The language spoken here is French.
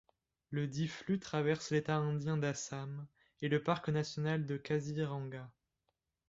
Le Diphlu traverse l'état indien d'Assam et le Parc national de Kaziranga.